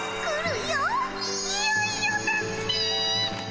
いよいよだっピィ！